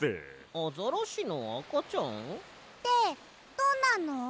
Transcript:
アザラシのあかちゃん？ってどんなの？